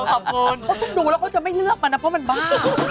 ขอบคุณดูแล้วเขาจะไม่เลือกมันนะเพราะมันบ้า